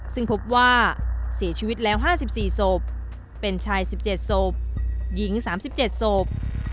ซึ่งพบว่าเสียชีวิตแล้วห้าสิบสี่ศพเป็นชายสิบเจ็ดศพหญิงสามสิบเจ็ดศพ